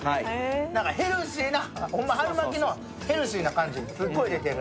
なんかヘルシーな、ほんま春巻きのヘルシーな感じがすごい出てる。